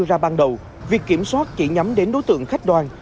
từ ngày một tháng đầu việc kiểm soát chỉ nhắm đến đối tượng khách đoàn